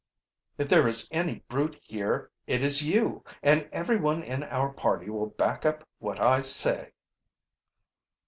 "If there is any brute here it is you, and everyone in our party will back up what I say."